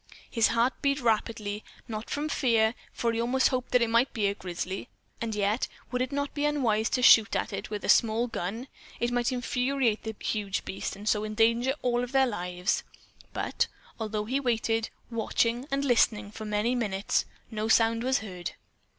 His heart beat rapidly, not from fear, for he almost hoped that it might be a grizzly, and yet, would it not be unwise to shoot at it with a small gun? It might infuriate a huge beast, and so endanger all of their lives. But, although he waited, watching and listening for many minutes, no sound was heard.